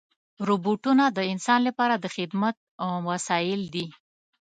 روبوټونه د انسان لپاره د خدمت وسایل دي.